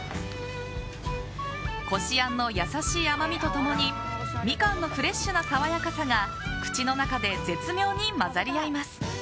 こしあんの優しい甘みと共にミカンのフレッシュな爽やかさが口の中で絶妙に混ざり合います。